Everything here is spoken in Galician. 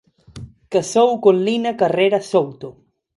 Casou con Lina Carrera Souto.